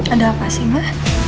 ada apa sih ma